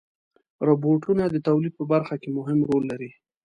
روبوټونه د تولید په برخه کې مهم رول لري.